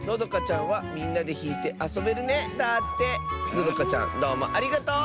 のどかちゃんどうもありがとう！